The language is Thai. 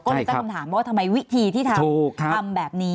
ก็เลยตั้งคำถามว่าทำไมวิธีที่ทำทำแบบนี้